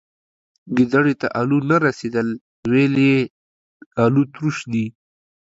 گيدړي ته الو نه رسيدل ، ويل يې الوتروش.